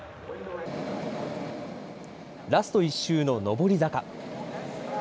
ラスト１周の上り坂。